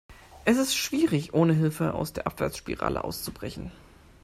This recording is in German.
Es ist schwierig, ohne Hilfe aus der Abwärtsspirale auszubrechen.